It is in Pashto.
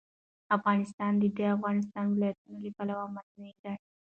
افغانستان د د افغانستان ولايتونه له پلوه متنوع دی.